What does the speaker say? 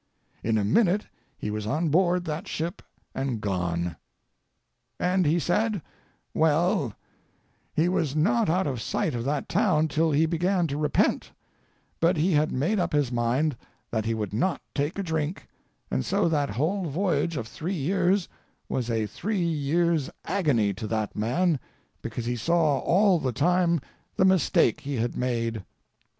In a minute he was on board that ship and gone. "And he said—well, he was not out of sight of that town till he began to repent, but he had made up his mind that he would not take a drink, and so that whole voyage of three years was a three years' agony to that man because he saw all the time the mistake he had made.